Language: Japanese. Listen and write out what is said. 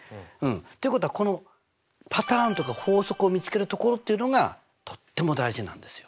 っていうことはこのパターンとか法則を見つけるところっていうのがとっても大事なんですよ。